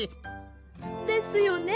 ですよね？